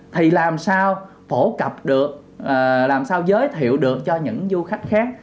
thì làm sao phổ cập được làm sao giới thiệu được cho những du khách khác